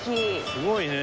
すごいね。